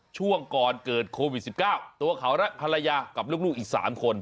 ช่วงก่อนเกิดโควิด๑๙ตัวเขาและภรรยากับลูกอีก๓คน